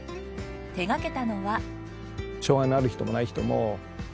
手掛けたのは。